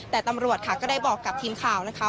แต่ตำรวจค่ะก็ได้บอกกับทีมข่าวนะคะ